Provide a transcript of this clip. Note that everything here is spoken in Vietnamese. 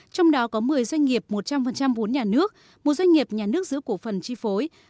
trong đó có một mươi doanh nghiệp một trăm linh vốn nhà nước một doanh nghiệp nhà nước giữ cổ phần chi phối